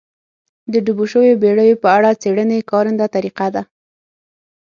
د ډوبو شویو بېړیو په اړه څېړنې کارنده طریقه ده